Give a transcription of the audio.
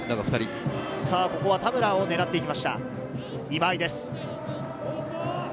ここは田村を狙っていきました、今井です。